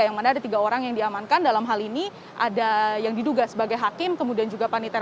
yang mana ada tiga orang yang diamankan dalam hal ini ada yang diduga sebagai hakim kemudian juga panitia